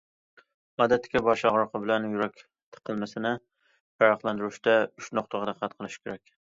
ئادەتتىكى باش ئاغرىقى بىلەن يۈرەك تىقىلمىسىنى پەرقلەندۈرۈشتە ئۈچ نۇقتىغا دىققەت قىلىش كېرەك.